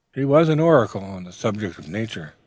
He was an oracle on the subject of 'Nature.'